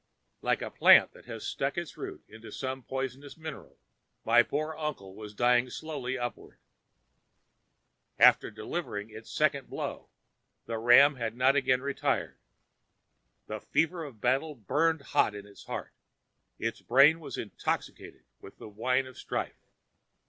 Like a plant that has struck its root into some poisonous mineral, my poor uncle was dying slowly upward. "After delivering its second blow the ram had not again retired. The fever of battle burned hot in its heart; its brain was intoxicated with the wine of strife.